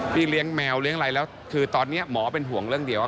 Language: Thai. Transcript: เลี้ยงแมวเลี้ยงอะไรแล้วคือตอนนี้หมอเป็นห่วงเรื่องเดียว